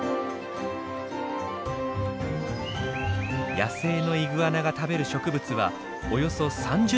野生のイグアナが食べる植物はおよそ３０種にも上ります。